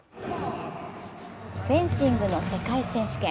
フェンシングの世界選手権。